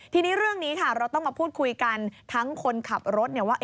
ทีนี้เรื่องนี้ค่ะเราต้องมาพูดคุยกันทั้งคนขับรถว่า